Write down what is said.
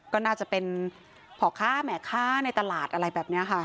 ก็น่าจะเป็นพ่อค้าแหม่ค้าในตลาดอะไรแบบนี้ค่ะ